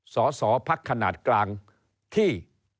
สอสอพักขนาดกลางที่